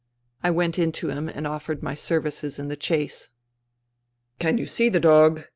I went in to him and offered my services in the chase. " Can you see the dog